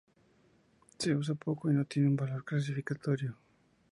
Se usa poco y no tienen un valor clasificatorio.